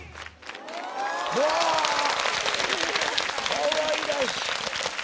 かわいらしい。